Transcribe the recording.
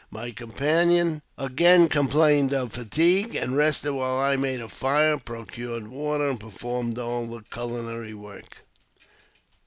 My companion again complained of fatigue, and rested while I made a fire, procured water, and performed all the culinary work.